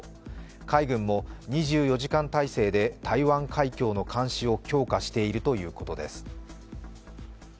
海軍も２４時間態勢で台湾海峡の監視を強化しているということです。